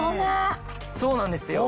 そうなんですよ。